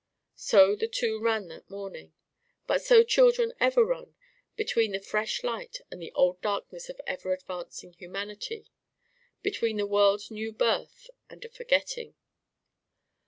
So the two ran that morning. But so children ever run between the fresh light and the old darkness of ever advancing humanity between the world's new birth and a forgetting.